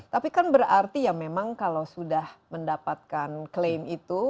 tapi kan berarti ya memang kalau sudah mendapatkan klaim itu